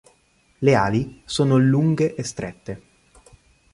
Le ali sono lunghe e strette.